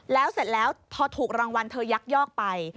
แล้วเสร็จแล้วพอถูกรางวัลเธอยักยอกไป